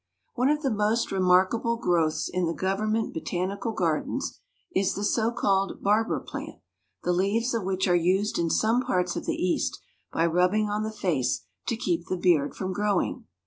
One of the most remarkable growths in the government botanical gardens is the so called barber plant, the leaves of which are used in some parts of the East by rubbing on the face to keep the beard from growing.